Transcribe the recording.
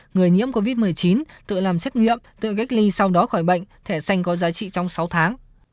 người nhiễm covid một mươi chín tự làm xét nghiệm tự cách ly sau đó khỏi bệnh thẻ xanh có giá trị trong sáu tháng